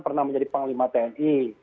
pernah menjadi panglima tni